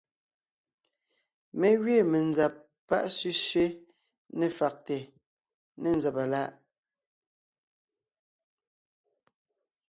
Mé gẅiin menzab pá sẅísẅé ne fàgte ne nzàba láʼ.